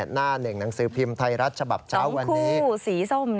หน้าหนึ่งหนังสือพิมพ์ไทยรัฐฉบับเช้าวันนี้สีส้ม